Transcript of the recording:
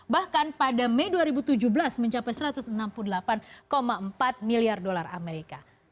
bahkan pada mei dua ribu tujuh belas mencapai satu ratus enam puluh delapan empat miliar dolar amerika